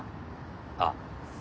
あっ。